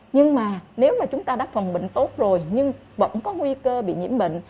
nhưng mà nếu mà chúng ta đã phòng bệnh tốt rồi nhưng vẫn có nguy cơ bị nhiễm bệnh